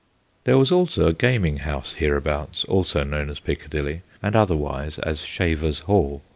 There was also a gaming house hereabouts also known as Piccadilly, and otherwise as Shaver's Hall.